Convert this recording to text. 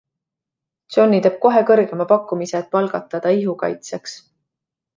Johnny teeb kohe kõrgema pakkumise, et palgata ta ihukaitsjaks.